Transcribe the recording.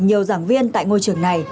nhiều giảng viên tại ngôi trường này